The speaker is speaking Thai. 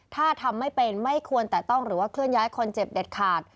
ถ้าทำไม่เป็นไม่ควรแตะต้องหรือว่าเคลื่อนย้ายคนเจ็บเด็ดขาด